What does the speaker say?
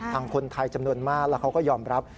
คนไทยจำนวนมากแล้วเขาก็ยอมรับ